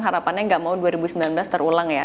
harapannya nggak mau dua ribu sembilan belas terulang ya